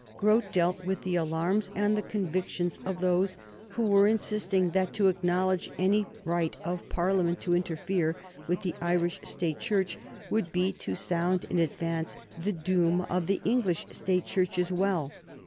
Grote dealt with the alarms and the convictions of those who were insisting that to acknowledge any right of Parliament to interfere with the Irish State Church would be to sound in advance the doom of the English State Church as well.